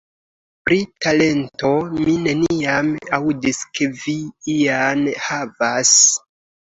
Pri talento mi neniam aŭdis, ke vi ian havas...